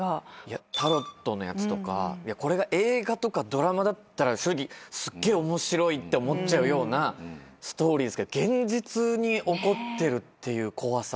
タロットのやつとかこれが映画とかドラマだったら正直すげえ面白いって思っちゃうようなストーリーですけど現実に起こってるっていう怖さと。